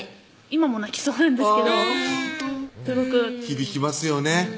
今も泣きそうなんですけどすごく響きますよね